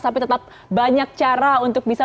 tapi tetap banyak cara untuk bisa